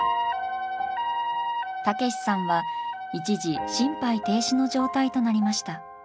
毅さんは一時心肺停止の状態となりました。